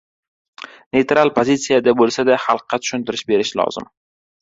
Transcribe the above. Neytral pozitsiyada boʻlsada, xalqqa tushintirish berish lozim.